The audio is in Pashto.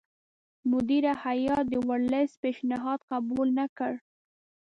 مدیره هیات د ورلسټ پېشنهاد قبول نه کړ.